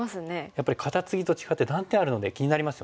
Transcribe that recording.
やっぱりカタツギと違って断点あるので気になりますよね。